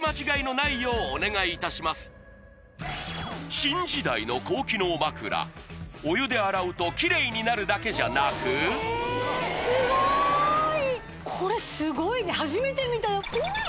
新時代の高機能枕お湯で洗うとキレイになるだけじゃなくすごーい